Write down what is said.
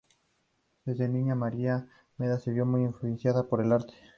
Desde niña, Maria Mena se vio muy influenciada por el arte.